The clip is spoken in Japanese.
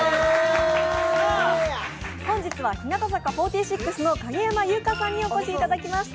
本日は日向坂４６の影山優佳さんにお越しいただきました。